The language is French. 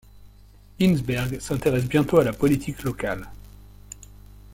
Hinsberg s'intéresse bientôt à la politique locale.